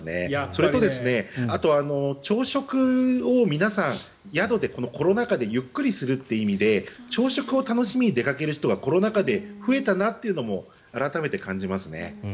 それとあとは朝食を皆さん、宿でコロナ禍でゆっくりするという意味で朝食を楽しみに出かける人がコロナ禍で増えたなというのも改めて感じますね。